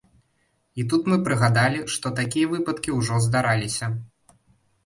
І тут мы прыгадалі, што такія выпадкі ўжо здараліся.